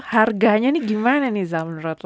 harganya nih gimana nih zal menurut lo